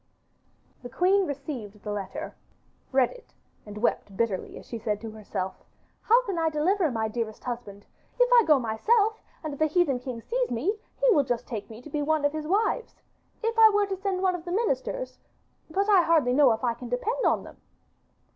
The queen received the letter, read it, and wept bitterly as she said to herself, 'How can I deliver my dearest husband? If I go myself and the heathen king sees me he will just take me to be one of his wives. If I were to send one of the ministers! but I hardly know if I can depend on them.